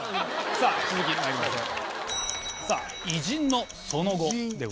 さぁ続きまいりましょう。